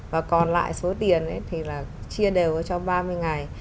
và còn lại số tiền thì là chia đều cho ba mươi ngày